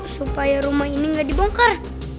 supaya rumah ini nggak dibongkar